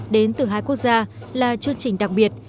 đến từ hai quốc gia là chương trình đặc biệt